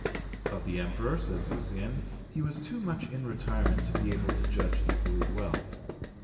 Of the Emperor, says Lucien, he was too much in retirement to be able to judge equally well.